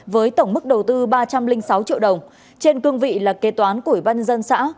với tổng mức đầu tư ba trăm linh sáu triệu đồng trên cương vị là kế toán của ubnd xã